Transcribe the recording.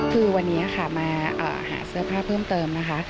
คือวันนี้ค่ะมาหาเสื้อผ้าเพิ่มเติมนะคะ